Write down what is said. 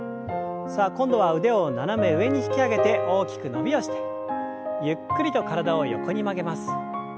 さあ今度は腕を斜め上に引き上げて大きく伸びをしてゆっくりと体を横に曲げます。